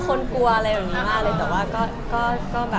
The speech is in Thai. ตอนแรกก็ยังบอกว่ามามาเลยนะจริงมันคนละ